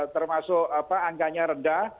termasuk angkanya rendah